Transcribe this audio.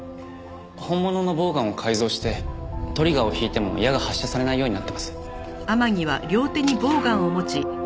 本物のボウガンを改造してトリガーを引いても矢が発射されないようになってます。